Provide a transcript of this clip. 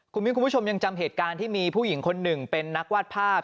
คุณมิ้นคุณผู้ชมยังจำเหตุการณ์ที่มีผู้หญิงคนหนึ่งเป็นนักวาดภาพ